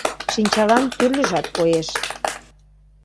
Шинчалан тӱрлыжат коеш...